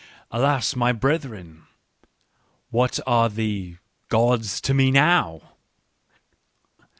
Alas, my brethren ! What are the — gods to me now